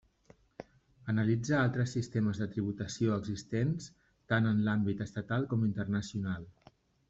Analitza altres sistemes de tributació existents tant en l'àmbit estatal com internacional.